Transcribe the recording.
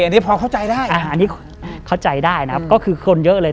อันนี้พอเข้าใจได้อาหารที่เข้าใจได้นะครับก็คือคนเยอะเลย